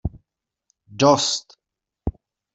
Dost!